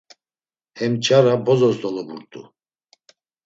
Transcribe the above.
Hem nç̌ara bozos dolobut̆u.